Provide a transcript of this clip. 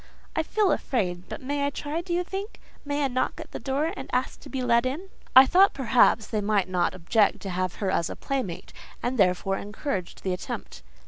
"I feel afraid: but may I try, do you think? May I knock at the door, and ask to be let in?" I thought perhaps they might not object to have her as a playmate, and therefore encouraged the attempt.